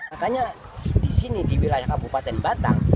makanya di sini di wilayah kabupaten batang